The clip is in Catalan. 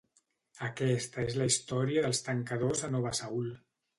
Aquesta és la història dels Tancadors a Nova Seül.